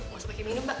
masuk pake minum mbak